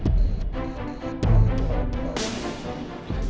papa ngapain di rumah rizky